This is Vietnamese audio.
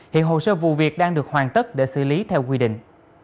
hiện hồ sơ vụ việc đang được hoàn tất để xử lý theo quy định